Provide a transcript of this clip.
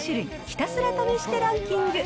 ひたすら試してランキング。